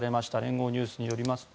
聯合ニュースによりますと